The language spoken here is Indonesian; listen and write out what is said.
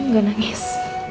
dia diam gak nangis